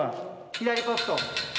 左ポスト。